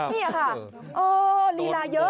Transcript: นี่ค่ะลีลาเยอะ